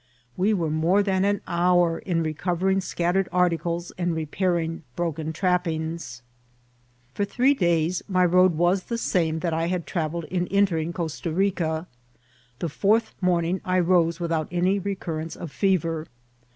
We were more than an hour in recoYering scattered articles and repairing broken trappings. For three days my road was the same that I had travelled in entering Costa Bica. The fourth morning I rose without any recurrence of fever.